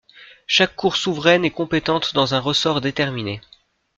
Chaque cour souveraine est compétente dans un ressort déterminé.